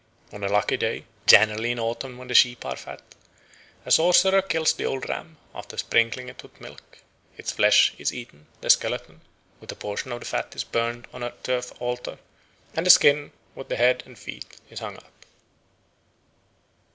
On a lucky day, generally in autumn when the sheep are fat, a sorcerer kills the old ram, after sprinkling it with milk. Its flesh is eaten; the skeleton, with a portion of the fat, is burned on a turf altar; and the skin, with the head and feet, is hung up.